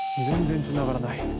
全然つながらない。